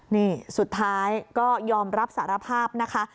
นี่สุดท้ายก็ยอมรับสารภาพนะคะ